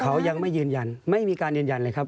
เขายังไม่ยืนยันไม่มีการยืนยันเลยครับ